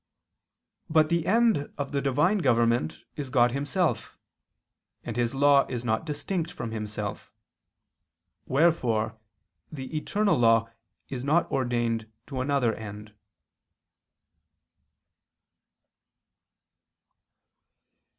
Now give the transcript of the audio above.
But the end of the Divine government is God Himself, and His law is not distinct from Himself. Wherefore the eternal law is not ordained to another end.